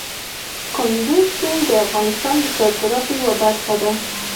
کندز سیند د افغانستان د صادراتو یوه برخه ده.